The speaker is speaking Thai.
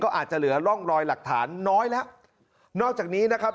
อาจจะเหลือร่องรอยหลักฐานน้อยแล้วนอกจากนี้นะครับ